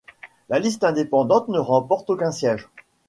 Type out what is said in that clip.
La liste indépendante ne remporte aucun siège.